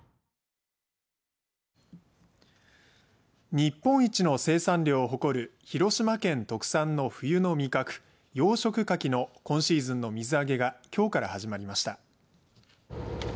日本一の生産量を誇る広島県特産の冬の味覚養殖かきの今シーズンの水揚げがきょうから始まりました。